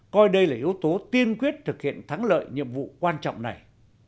coi đây là yếu tố tiên quyết thực hiện thắng lợi nhiệm vụ quan trọng này